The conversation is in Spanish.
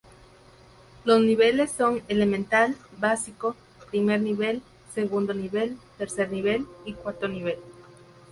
Los niveles son: Elemental, Básico, Primer Nivel, Segundo Nivel, Tercer Nivel y Cuarto Nivel.